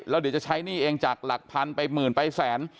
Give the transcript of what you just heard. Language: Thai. แล้วเดี๋ยวจะใช้หนี้เองจากหลักพันไปหมื่นไปแสน